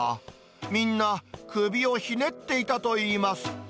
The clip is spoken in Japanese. みんな、首をひねっていたといいます。